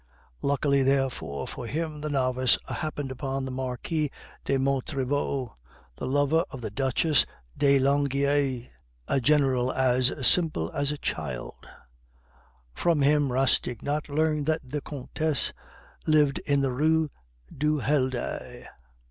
Luckily, therefore, for him, the novice happened upon the Marquis de Montriveau, the lover of the Duchesse de Langeais, a general as simple as a child; from him Rastignac learned that the Comtesse lived in the Rue du Helder.